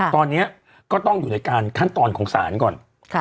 ตอนนี้ก็ต้องอยู่ในการขั้นตอนของศาลก่อน